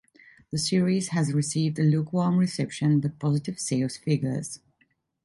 The series has received a lukewarm reception, but positive sales figures.